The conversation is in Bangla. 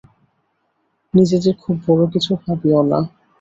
নিজেদের খুব বড় কিছু ভাবিও না।